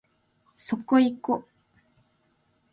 そこいこ